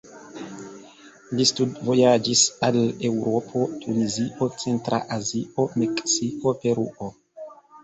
Li studvojaĝis al Eŭropo, Tunizio, Centra Azio, Meksiko, Peruo.